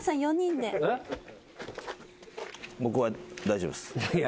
僕は大丈夫っす。